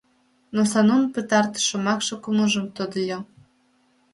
Но Санун пытартыш шомакше кумылжым тодыльо.